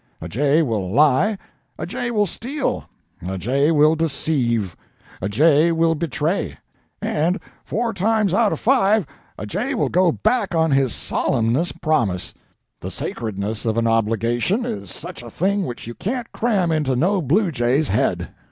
A jay will lie, a jay will steal, a jay will deceive, a jay will betray; and four times out of five, a jay will go back on his solemnest promise. The sacredness of an obligation is such a thing which you can't cram into no bluejay's head.